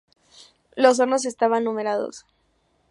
Los hornos estaban numerados.